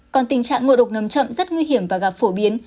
còn tình trạng ngộ độc nấm chậm rất nguy hiểm và gặp phổ biến